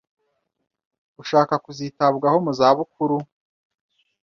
ushaka kuzitabwaho mu zabukuru